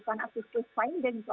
lakukan assist case finding pada